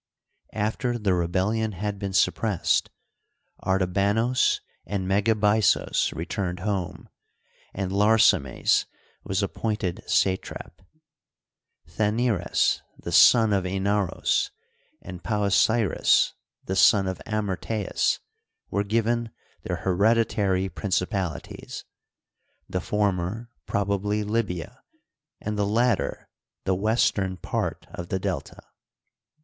After the rebellion had been suppressed, Artabanos and Megabyzos returned home, and Larsames was appointed satrap. Thannyras, the son of Inaros, and Pausiris^ the son of Amyrtaus, were given their hereditary princi palities — the former probably Libya and the latter the western part of the Delta.